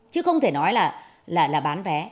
chứ không thể nói là bán vé